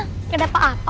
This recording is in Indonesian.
gak ada apa apa